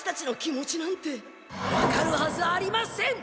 わかるはずありません！